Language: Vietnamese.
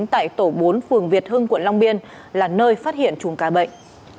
tại tổ bốn phường việt hưng quận long biên là nơi phát hiện chùm ca bệnh